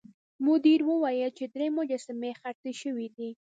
مدیر وویل چې درې مجسمې خرڅې شوې دي.